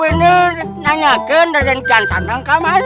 ini hanya keadaan yang menyenangkan